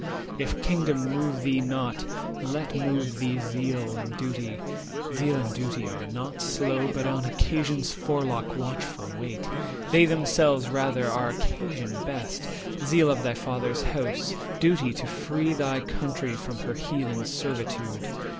170 If kingdom move thee not, let move thee zeal And duty—zeal and duty are not slow, But on Occasion's forelock watchful wait: They themselves rather are occasion best— Zeal of thy Father's house, duty to free Thy country from her heathen servitude.